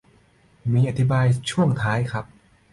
มีอธิบายอยู่ช่วงท้ายครับ